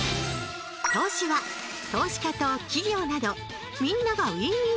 投資は投資家と企業などみんながウィンウィンの関係。